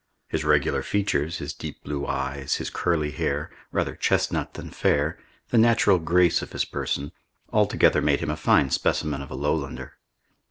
His regular features, his deep blue eyes, his curly hair, rather chestnut than fair, the natural grace of his person, altogether made him a fine specimen of a lowlander.